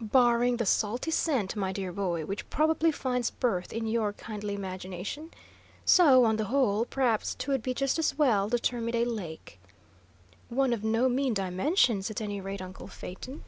"Barring the salty scent, my dear boy, which probably finds birth in your kindly imagination. So, on the whole, perhaps 'twould be just as well to term it a lake." "One of no mean dimensions, at any rate, uncle Phaeton."